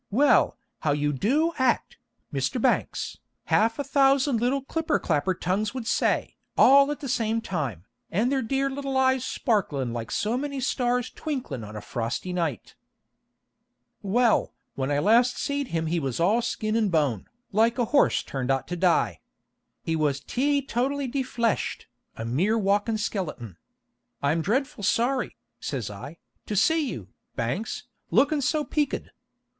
'Well, how you do act, Mr. Banks!' half a thousand little clipper clapper tongues would say, all at the same time, and their dear little eyes sparklin' like so many stars twinklin' of a frosty night. "Well, when I last seed him he was all skin and bone, like a horse turned out to die. He was teetotally defleshed, a mere walkin' skeleton. 'I am dreadful sorry,' says I, 'to see you, Banks, lookin' so peaked.